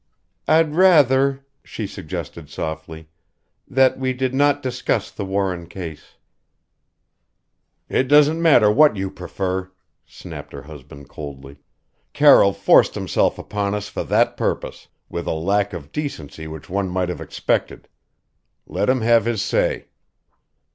"I'd rather," she suggested softly, "that we did not discuss the Warren case." "It doesn't matter what you prefer," snapped her husband coldly. "Carroll forced himself upon us for that purpose with a lack of decency which one might have expected. Let him have his say."